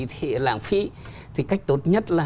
thì lạng phí thì cách tốt nhất là